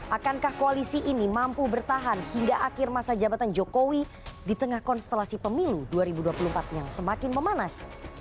akankah koalisi ini mampu bertahan hingga akhir masa jabatan jokowi di tengah konstelasi pemilu dua ribu dua puluh empat yang semakin memanas